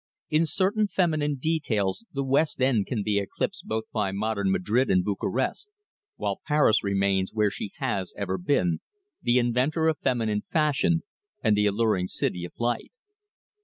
In certain feminine details the West End can be eclipsed both by modern Madrid and Bucharest, while Paris remains where she has ever been, the inventor of feminine fashion and the alluring City of Light.